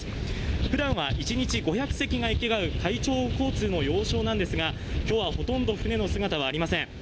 ふだんは一日５００隻が行き交う海上交通の要衝なんですが、今日はほとんど船の姿はありません。